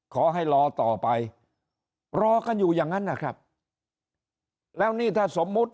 ขอให้รอต่อไปรอกันอยู่อย่างนั้นนะครับแล้วนี่ถ้าสมมุติ